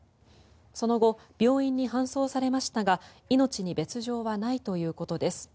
その後、病院に搬送されましたが命に別条はないということです。